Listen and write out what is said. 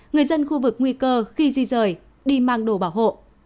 người dân khu vực nguy cơ khi di rời đi mang đồ bảo hộ